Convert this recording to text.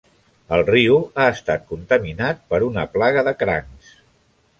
El riu ha estat contaminat per una plaga de crancs.